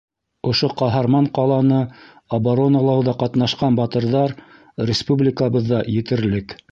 Ошо ҡаһарман ҡаланы обороналауҙа ҡатнашҡан батырҙар республикабыҙҙа етерлек.